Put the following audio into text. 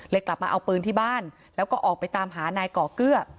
กลับมาเอาปืนที่บ้านแล้วก็ออกไปตามหานายก่อเกลือ